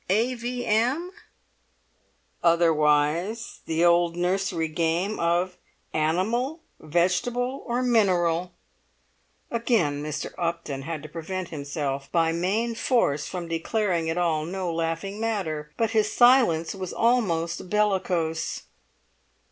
"A. V. M.?" "Otherwise the old nursery game of Animal, Vegetable, or Mineral." Again Mr. Upton had to prevent himself by main force from declaring it all no laughing matter; but his silence was almost bellicose.